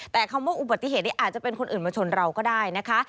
แต่คำว่าอุบัติเหตุนี้อาจจะเป็นคนอื่นมาชนเราก็ได้นะคะ